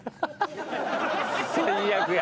最悪や。